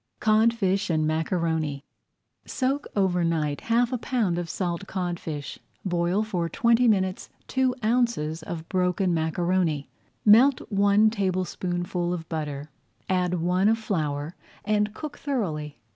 CODFISH AND MACARONI Soak over night half a pound of salt codfish. Boil for twenty minutes two ounces of broken macaroni. Melt one tablespoonful of butter, add one of flour, and cook thoroughly.